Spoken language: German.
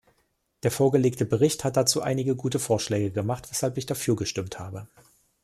Der vorgelegte Bericht hat dazu einige gute Vorschläge gemacht, weshalb ich dafür gestimmt habe.